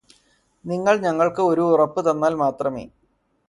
നിങ്ങള് ഞങ്ങള്ക്ക് ഒരു ഉറപ്പ് തന്നാൽ മാത്രമേ